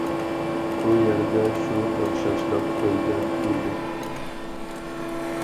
بۇ يەردە شۇ ئوخشاشلىق كۆزدە تۇتۇلدى.